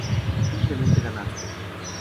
Simplemente dan asco.